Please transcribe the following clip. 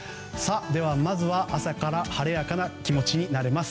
まずは、朝から晴れやかな気持ちになれます